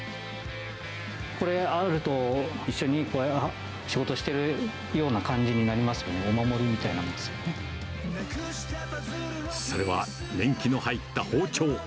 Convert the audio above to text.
これがあると、一緒に仕事をしてるような感じになりますよね、お守りみたいなもそれは年季の入った包丁。